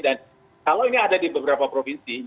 dan kalau ini ada di beberapa provinsi